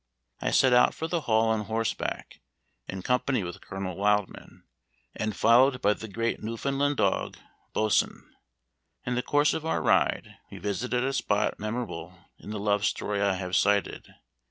I set out for the Hall on horseback, in company with Colonel Wildman, and followed by the great Newfoundland dog Boatswain. In the course of our ride we visited a spot memorable in the love story I have cited.